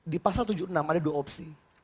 di pasal tujuh puluh enam ada dua opsi